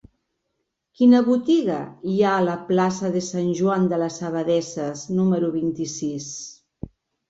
Quina botiga hi ha a la plaça de Sant Joan de les Abadesses número vint-i-sis?